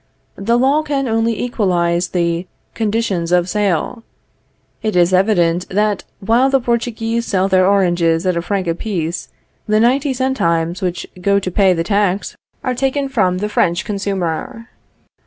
The law can only equalize the conditions of sale. It is evident that while the Portuguese sell their oranges at a franc apiece, the ninety centimes which go to pay the tax are taken from the French consumer.